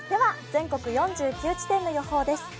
全国４９地点の予報です。